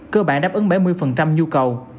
cơ bản đáp ứng bảy mươi nhu cầu